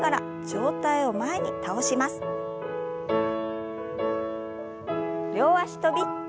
両脚跳び。